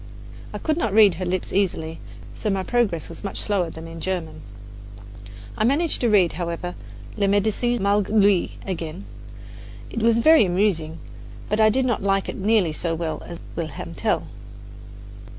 I could not read her lips easily; so my progress was much slower than in German. I managed, however, to read "Le Medecin Malgre Lui" again. It was very amusing but I did not like it nearly so well as "Wilhelm Tell."